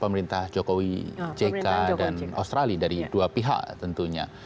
pemerintah jokowi jk dan australia dari dua pihak tentunya